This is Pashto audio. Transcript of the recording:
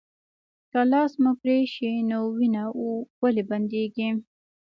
که لاس مو پرې شي نو وینه ولې بندیږي